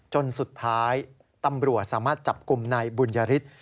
จนสุดท้ายตำรวจสามารถจับกลุ่มนายบุญยฤทธิ์